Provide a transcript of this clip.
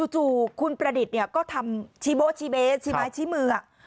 จู่คุณประดิษฐ์ก็ทำชี้โบ๊ชีเบสชี้ไม้ชี้มือ